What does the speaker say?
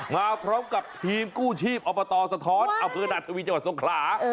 มาพร้อมกับทีมกู้ชีพอบประตอสะท้อนเอาเครื่องดันทวีนจังหวัดทรงขลา